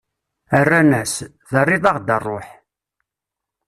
Rran-as: Terriḍ-aɣ-d ṛṛuḥ!